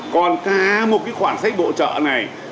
còn cả một cái khoản sách bổ trợ này